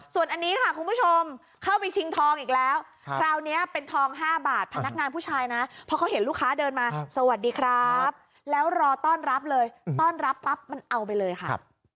ส่วนอันนี้ค่ะคุณผู้ชมเข้าไปชิงทองอีกแล้วคราวนี้เป็นทอง๕บาทพนักงานผู้ชายนะเพราะเขาเห็นลูกค้าเดินมาสวัสดีครับแล้วรอต้อนรับเลยต้อนรับปั๊บมันเอาไปเลยค่ะ